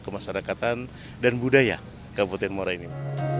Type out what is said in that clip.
kemasyarakatan dan budaya kabupaten muara ini